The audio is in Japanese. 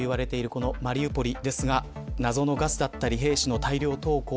このマリウポリですが謎のガスだったり兵士の大量投降。